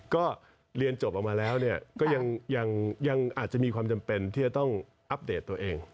ก็เรียนจบออกมาแล้วก็ยังอาจจะมีความจำเป็นที่จะต้องอัปเดตตัวเอง